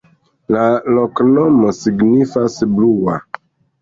La loknomo signifas: blua.